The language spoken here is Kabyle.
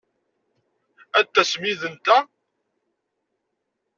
Ad d-tasem yid-nteɣ!